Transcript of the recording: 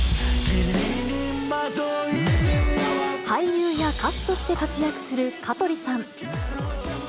俳優や歌手として活躍する香取さん。